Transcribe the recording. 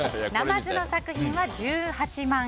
ナマズの作品は１８万